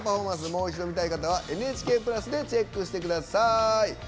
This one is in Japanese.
もう一度見たい方は「ＮＨＫプラス」でチェックしてください。